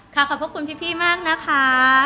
ค่ะขอบคุณพี่มากนะคะ